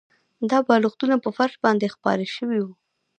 دا بالښتونه په فرش باندې خپاره شوي وو